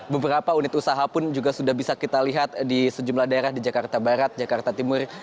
beberapa unit usaha pun juga sudah bisa kita lihat di sejumlah daerah di jakarta barat jakarta timur